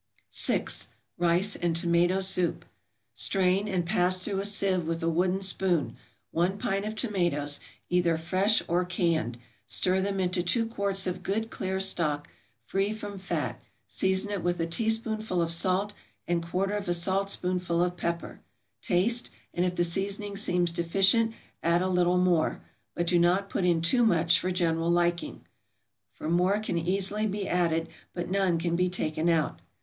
6. =Rice and Tomato Soup.= Strain, and pass through a sieve with a wooden spoon, one pint of tomatoes, either fresh or canned, stir them into two quarts of good, clear stock, free from fat; season it with a teaspoonful of salt, and quarter of a saltspoonful of pepper; taste, and if the seasoning seems deficient add a little more, but do not put in too much for general liking, for more can easily be added, but none can be taken out.